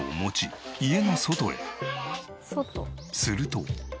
すると。